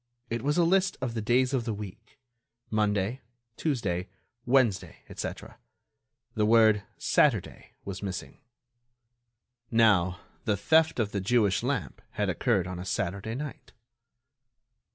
It was a list of the days of the week. Monday, Tuesday, Wednesday, etc. The word "Saturday" was missing. Now, the theft of the Jewish lamp had occurred on a Saturday night.